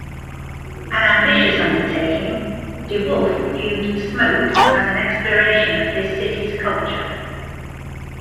An ambitious undertaking, DeWolf viewed "Smoked" as an exploration of his city's culture.